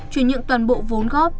chuyển nhượng toàn bộ vốn góp